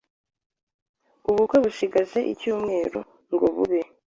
ubukwe bushigaje icyumweru ngo bube.